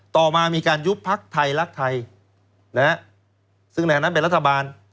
ต่อมามีการยุบพักไทยรักไทยนะฮะซึ่งในอันนั้นเป็นรัฐบาล